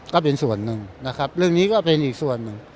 ก็เป็นส่วนหนึ่งนะครับเรื่องนี้ก็เป็นอีกส่วนหนึ่ง